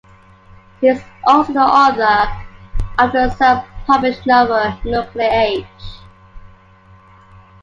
He is also the author of the self-published novel "Nuklear Age".